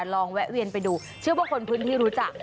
แวะเวียนไปดูเชื่อว่าคนพื้นที่รู้จัก